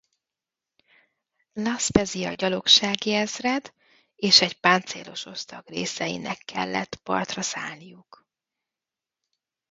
La Spezia gyalogsági ezred és egy páncélos osztag részeinek kellett partra szállniuk.